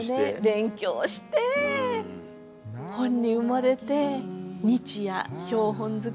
勉強して本に埋もれて日夜標本作りをして。